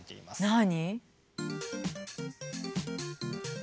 何？